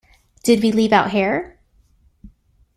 Did we leave out hair?